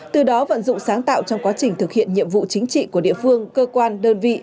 từ đó vận dụng sáng tạo trong quá trình thực hiện nhiệm vụ chính trị của địa phương cơ quan đơn vị